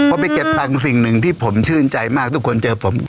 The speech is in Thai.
พอไปเก็บตังค์สิ่งหนึ่งที่ผมชื่นใจมากทุกคนเจอผม